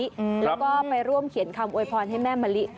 แล้วก็ไปร่วมเขียนคำโวยพรให้แม่มะลิ